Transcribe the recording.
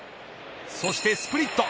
そしてスプリット。